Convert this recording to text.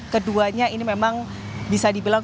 keduanya ini memang bisa dibilang